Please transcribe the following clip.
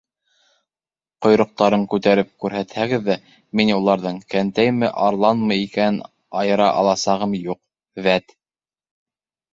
Ҡойроҡтарын күтәреп күрһәтһәгеҙ ҙә, мин уларҙың кәнтәйме-арланмы икәнен айыра аласағым юҡ, вәт!